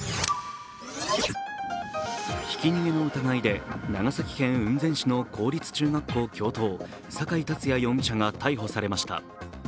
ひき逃げの疑いで長崎県雲仙市の公立中学校教頭、酒井竜也容疑者が逮捕されました。